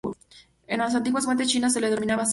En las antiguas fuentes chinas se los denomina "sai".